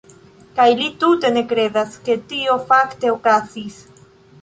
Kaj li tute ne kredas, ke tio fakte okazis.